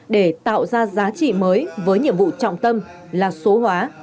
để tạo ra giá trị mới với nhiệm vụ trọng tâm là số hóa